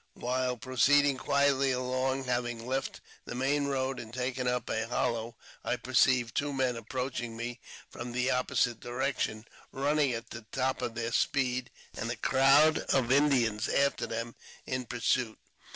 While proceeding quietly along, having left the main road and taken up a hollow, I perceived two men approaching me from the opposite direc tion, running at the top of their speed, and a crowd of Indians after them in pursuit.